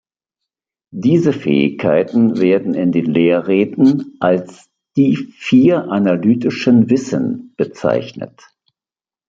Diese Fähigkeiten werden in den Lehrreden als „die vier analytischen Wissen“ bezeichnet.